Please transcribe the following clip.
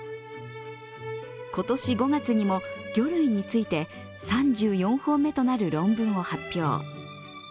今年５月にも魚類について３４本目となる論文を発表。